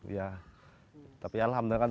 ya tapi alhamdulillah